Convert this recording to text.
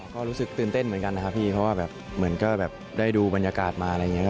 ก็รู้สึกตื่นเต้นเหมือนกันนะครับพี่เพราะว่าแบบเหมือนก็แบบได้ดูบรรยากาศมาอะไรอย่างนี้